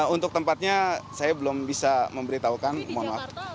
untuk tempatnya saya belum bisa memberitahukan